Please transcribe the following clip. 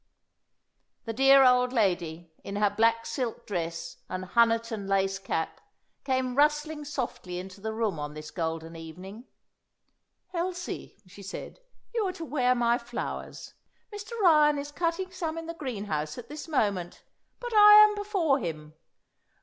The dear old lady, in her black silk dress and Honiton lace cap, came rustling softly into the room on this golden evening. "Elsie," she said, "you are to wear my flowers. Mr. Ryan is cutting some in the greenhouse at this moment, but I am before him.